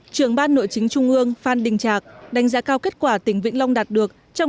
trưởng ban nội chính trung ương phan đình trạc đánh giá cao kết quả tỉnh vĩnh long đạt được trong